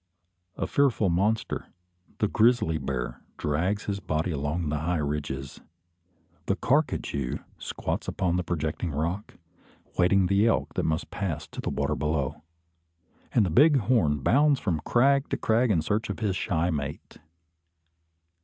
A fearful monster, the grizzly bear, drags his body along the high ridges; the carcajou squats upon the projecting rock, waiting the elk that must pass to the water below; and the bighorn bounds from crag to crag in search of his shy mate.